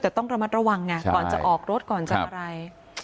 แต่ต้องระมัดระวังไงก่อนจะออกรถก่อนจะอะไร